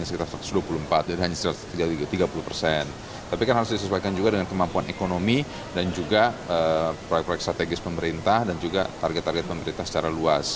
ya tapi kan harus disesuaikan juga dengan kemampuan ekonomi dan juga proyek proyek strategis pemerintah dan juga target target pemerintah secara luas